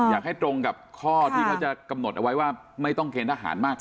อยากให้ตรงกับข้อที่เขาจะกำหนดเอาไว้ว่าไม่ต้องเกณฑ์ทหารมาก